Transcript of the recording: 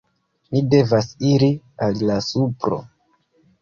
Mi devas iri al la supro